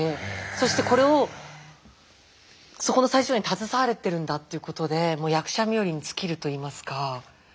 そしてこれをそこの最初に携われてるんだっていうことで役者冥利に尽きるといいますか。